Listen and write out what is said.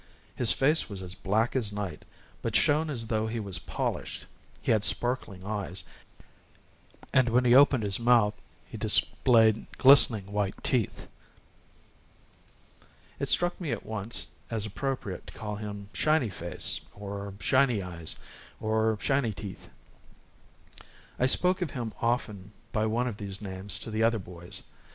His face was as black as night, but shone as though it were polished; he had sparkling eyes, and when he opened his mouth, he displayed glistening white teeth. It struck me at once as appropriate to call him "Shiny Face," or "Shiny Eyes," or "Shiny Teeth," and I spoke of him often by one of these names to the other boys.